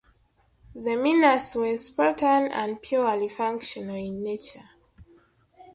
The menus were spartan and purely functional in nature.